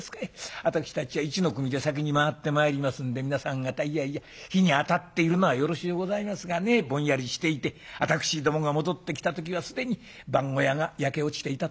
私たちは一の組で先に回ってまいりますんで皆さん方いやいや火にあたっているのはよろしゅうございますがねぼんやりしていて私どもが戻ってきた時は既に番小屋が焼け落ちていたとそういうことのないように」。